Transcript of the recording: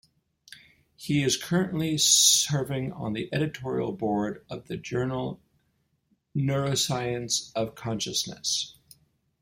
He is currently serving on the Editorial Board of the journal Neuroscience of Consciousness.